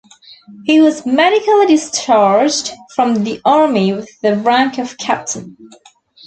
He was medically discharged from the army with the rank of captain.